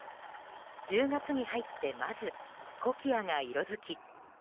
１０月に入ってまずコキアが色づき